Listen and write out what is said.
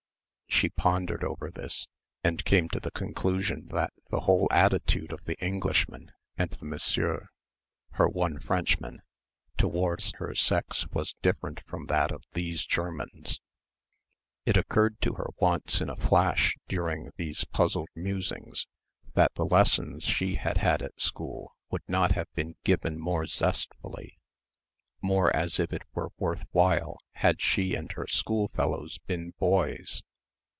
She pondered over this and came to the conclusion that the whole attitude of the Englishman and of Monsieur, her one Frenchman, towards her sex was different from that of these Germans. It occurred to her once in a flash during these puzzled musings that the lessons she had had at school would not have been given more zestfully, more as if it were worth while, had she and her schoolfellows been boys.